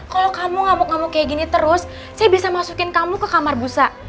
kalau kamu ngamuk ngamuk kayak gini terus saya bisa masukin kamu ke kamar busa